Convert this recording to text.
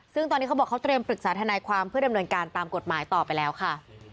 ซึ่งตอนนี้เขาบอกเขาเตรียมปรึกษาทนายความเพื่อดำเนินการตามกฎหมายต่อไปแล้วค่ะ